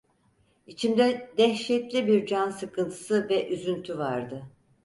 İçimde dehşetli bir can sıkıntısı ve üzüntü vardı.